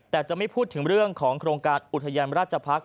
แต่จะไม่พูดถึงเรื่องของโครงการอุทยานราชพักษ